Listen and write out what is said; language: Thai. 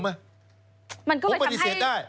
มันก็ไปทำให้